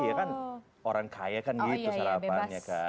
iya kan orang kaya kan gitu sarapannya kan